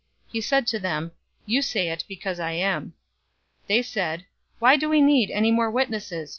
He said to them, "You say it, because I am." 022:071 They said, "Why do we need any more witness?